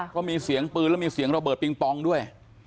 ก็มีเสียงปืนแล้วมีเสียงระเบิดปิงปองด้วย